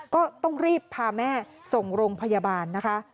ก็ต้องรีบพาแม่ส่งโรงพยาบาลนะคะ